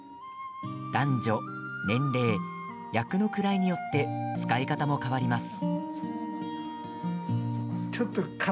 男女、年齢、役の位によって使い方も変わります。